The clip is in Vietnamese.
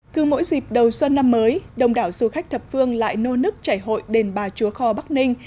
cứ mỗi dịp đầu xuân năm mới đồng đảo du khách thập phương lại nô nức chảy hội đền bà chúa kho bắc ninh